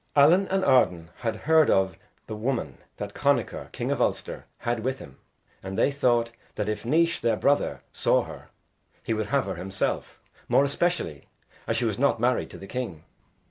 Allen and Arden had heard of the woman that Connachar, king of Ulster, had with him, and they thought that, if Naois, their brother, saw her, he would have her himself, more especially as she was not married to the king.